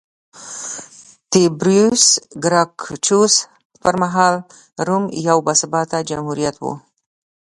تیبریوس ګراکچوس پرمهال روم یو باثباته جمهوریت و